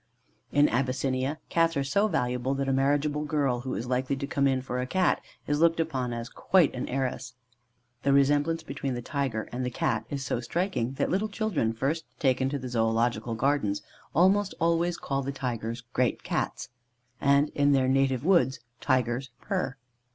In Abyssinia, Cats are so valuable, that a marriageable girl who is likely to come in for a Cat, is looked upon as quite an heiress. The resemblance between the Tiger and the Cat is so striking, that little children first taken to the Zoological Gardens almost always call the Tigers great Cats; and, in their native woods, Tigers purr.